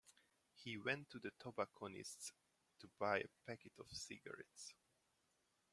He went to the tobacconists to buy a packet of cigarettes